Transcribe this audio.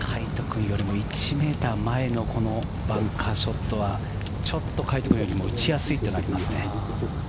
君よりも１ｍ前のバンカーショットはちょっと魁斗君よりも打ちやすいというのはありますね。